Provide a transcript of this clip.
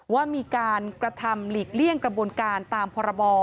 ว่ามีการกระทำหลีกเลี่ยงกระบวนการตามพรบ